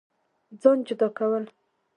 ځان جدا كول